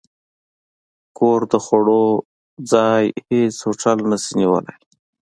د کور د خوړو، ځای هېڅ هوټل نه شي نیولی.